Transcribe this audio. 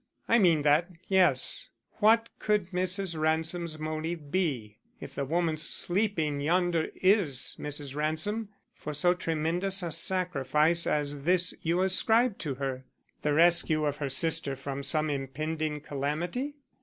"I mean that, yes. What could Mrs. Ransom's motive be (if the woman sleeping yonder is Mrs. Ransom) for so tremendous a sacrifice as this you ascribe to her? The rescue of her sister from some impending calamity?